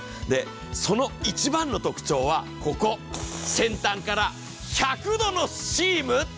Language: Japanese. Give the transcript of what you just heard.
その一番の特徴はここ、先端から１００度のスチーム。